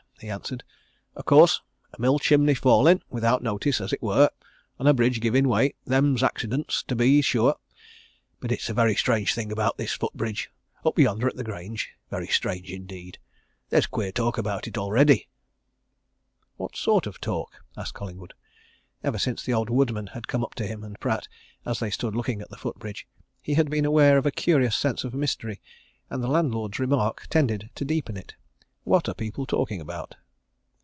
he answered. "Of course, a mill chimney falling, without notice, as it were, and a bridge giving way them's accidents, to be sure. But it's a very strange thing about this foot bridge, up yonder at the Grange very strange indeed! There's queer talk about it, already." "What sort of talk?" asked Collingwood. Ever since the old woodman had come up to him and Pratt, as they stood looking at the foot bridge, he had been aware of a curious sense of mystery, and the landlord's remark tended to deepen it. "What are people talking about?"